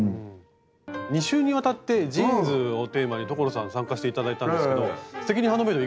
２週にわたってジーンズをテーマに所さん参加して頂いたんですけど「すてきにハンドメイド」